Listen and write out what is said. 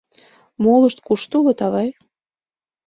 — Молышт кушто улыт, авай?